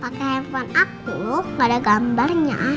pakai handphone aku gak ada gambarnya